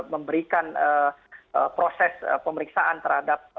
memberikan proses pemeriksaan terhadap